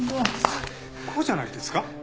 こうじゃないですか？